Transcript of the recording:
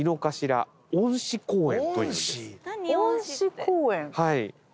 恩賜公園。